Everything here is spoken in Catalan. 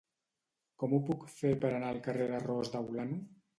Com ho puc fer per anar al carrer de Ros de Olano?